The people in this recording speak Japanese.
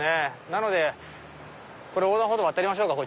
なので横断歩道渡りましょうか。